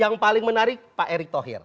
yang paling menarik pak erick thohir